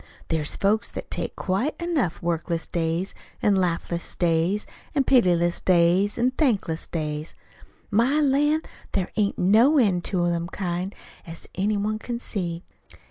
"There is folks that take quite enough workless days, an' laughless days, an' pityless days, an' thankless days. My lan', there ain't no end to them kind, as any one can see.